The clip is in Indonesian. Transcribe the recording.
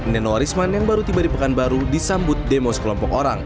nenowa risman yang baru tiba di pekanbaru disambut demos kelompok orang